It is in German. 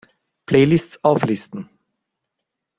Playlists auflisten!